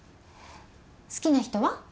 好きな人は？